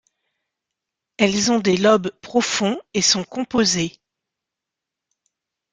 Elles ont des lobes profonds et sont composées.